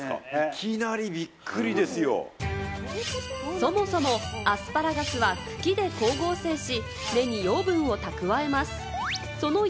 そもそもアスパラガスは茎で光合成をして、根に養分を蓄えます。